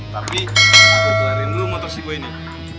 tapi aku keluarin dulu motor si gue ini oke